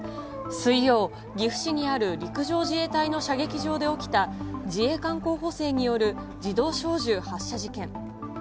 水曜、岐阜市にある陸上自衛隊の射撃場で起きた自衛官候補生による自動小銃発射事件。